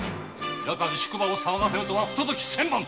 夜間宿場を騒がせるとは不届き千万！